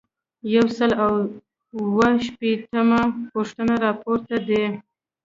یو سل او اووه شپیتمه پوښتنه راپور دی.